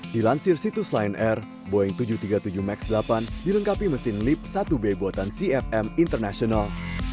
dilansir situs line air boeing tujuh ratus tiga puluh tujuh max delapan dilengkapi mesin lip satu b buatan cfm international